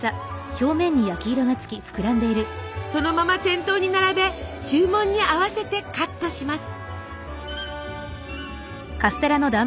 そのまま店頭に並べ注文に合わせてカットします。